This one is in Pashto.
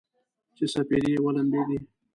چې سپېدې ولمبیدې